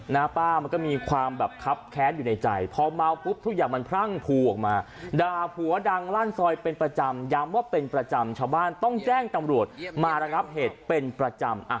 นะป้ามันก็มีความแบบคับแค้นอยู่ในใจพอเมาปุ๊บทุกอย่างมันพรั่งพูออกมาด่าผัวดังลั่นซอยเป็นประจำย้ำว่าเป็นประจำชาวบ้านต้องแจ้งตำรวจมาระงับเหตุเป็นประจำ